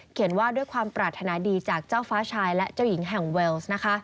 ว่าด้วยความปรารถนาดีจากเจ้าฟ้าชายและเจ้าหญิงแห่งเวลส์นะคะ